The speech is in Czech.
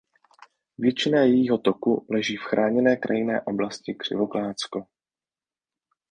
Většina jejího toku leží v Chráněné krajinné oblasti Křivoklátsko.